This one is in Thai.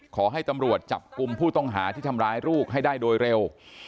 ขอให้ตำรวจจับกลุ่มผู้ต้องหาที่ทำร้ายลูกให้ได้โดยเร็ว